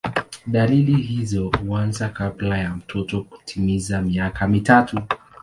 Dalili hizo huanza kabla ya mtoto kutimiza miaka mitatu.